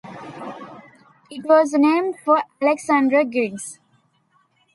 It was named for Alexander Griggs.